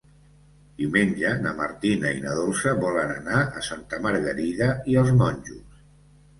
Diumenge na Martina i na Dolça volen anar a Santa Margarida i els Monjos.